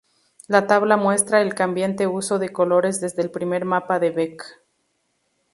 La tabla muestra el cambiante uso de colores desde el primer mapa de Beck.